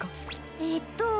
えっと。